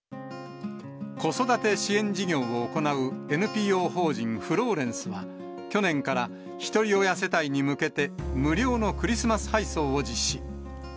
子育て支援事業を行うＮＰＯ法人フローレンスは、去年からひとり親世帯に向けて、無料のクリスマス配送を実施。